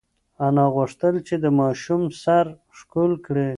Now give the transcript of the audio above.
انا غوښتل چې د ماشوم سر ښکل کړي.